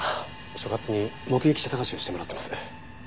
所轄に目撃者捜しをしてもらってます。